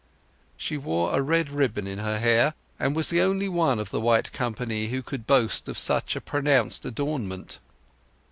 She wore a red ribbon in her hair, and was the only one of the white company who could boast of such a pronounced adornment.